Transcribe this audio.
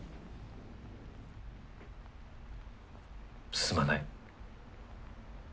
すまない。